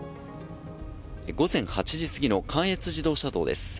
午前８時過ぎの関越自動車道です。